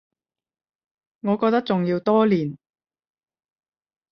我覺得仲要多練